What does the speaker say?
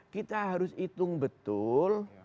kita harus hitung betul